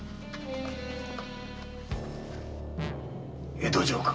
江戸城か？